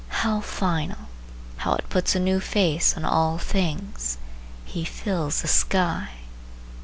how final! how it puts a new face on all things! He fills the sky.